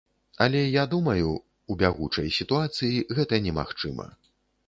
Але я думаю, у бягучай сітуацыі гэта немагчыма.